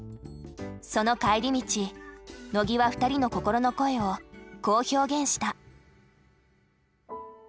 その帰り道野木は２人の心の声をこう表現した。